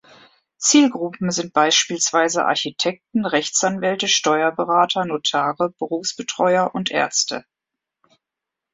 Zielgruppen sind beispielsweise Architekten, Rechtsanwälte, Steuerberater, Notare, Berufsbetreuer und Ärzte.